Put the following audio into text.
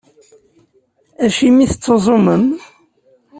Acimi i tettuẓumem?